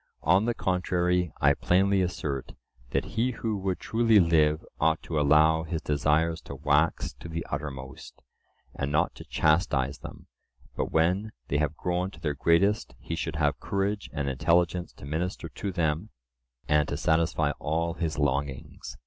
On the contrary, I plainly assert, that he who would truly live ought to allow his desires to wax to the uttermost, and not to chastise them; but when they have grown to their greatest he should have courage and intelligence to minister to them and to satisfy all his longings.